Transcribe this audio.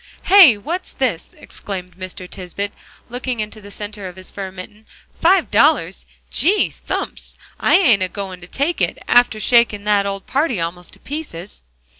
"Hey what's this?" exclaimed Mr. Tisbett, looking into the center of his fur mitten, "five dollars! Gee thumps! I ain't a goin' to take it, after shaking that old party almost to pieces."